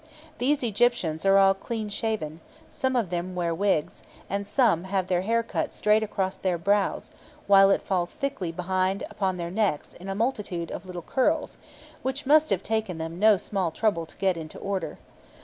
These Egyptians are all clean shaven; some of them wear wigs, and some have their hair cut straight across their brows, while it falls thickly behind upon their necks in a multitude of little curls, which must have taken them no small trouble to get into order.